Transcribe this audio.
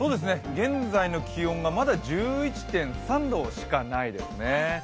現在の気温がまだ１１．３度しかないですね。